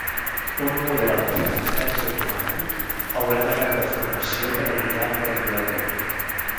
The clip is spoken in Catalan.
Un model d"aprenentatge automàtic haurà de rebre formació per evitar deteriorament.